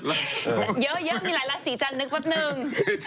เยอะเดี๋ยวอาการนั้นมีหลายราศิกรุมจะนึกพัดนึง